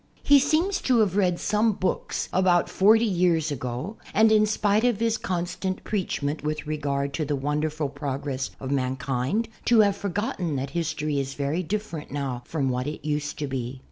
He seems to have read some books about forty years ago and, in spite of his constant preachment with regard to the wonderful progress of mankind, to have forgotten that history is very different now from what it used to be.